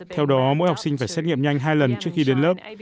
theo đó mỗi học sinh phải xét nghiệm nhanh hai lần trước khi đến lớp